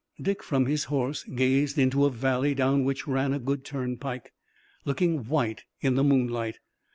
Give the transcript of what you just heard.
Dick from his horse gazed into a valley down which ran a good turnpike, looking white in the moonlight.